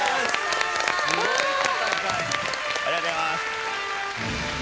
ありがとうございます。